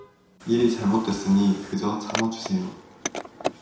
일이 잘못 됐으니 그 저 참어 주세요.